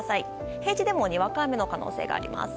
平地でもにわか雨の可能性があります。